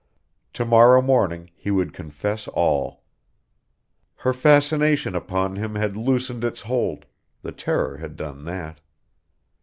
To morrow morning he would confess all. Her fascination upon him had loosened its hold, the terror had done that.